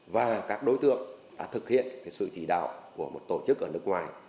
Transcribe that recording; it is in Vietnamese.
và các đối tượng đã thực hiện sự chỉ đạo của một tổ chức ở nước ngoài